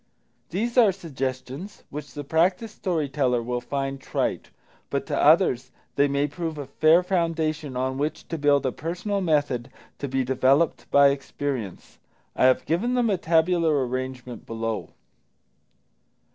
These are suggestions which the practised story teller will find trite. But to others they may prove a fair foundation on which to build a personal method to be developed by experience. I have given them a tabular arrangement below.